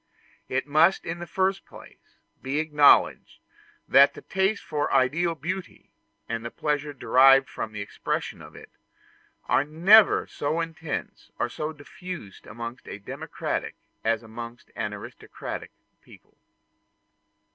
It must in the first place, be acknowledged that the taste for ideal beauty, and the pleasure derived from the expression of it, are never so intense or so diffused amongst a democratic as amongst an aristocratic people.